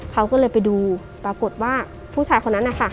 เขาก็เลยไปดูปรากฏว่าผู้ชายคนนั้นนะคะ